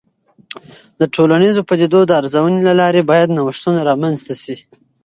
د ټولنیزو پدیدو د ارزونې له لارې باید نوښتونه رامنځته سي.